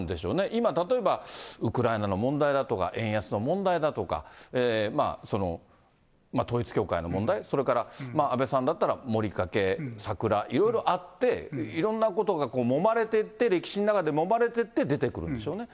今、例えばウクライナの問題だとか、円安の問題だとか、統一教会の問題、それから安倍さんだったらモリカケ、さくら、いろいろあって、いろんなことがもまれてって、歴史の中でもまれてって出てくるんでしょうね。